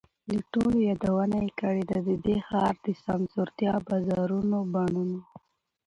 د ټولو یادونه یې کړې ده، د دې ښار د سمسورتیا، بازارونو، بڼونو،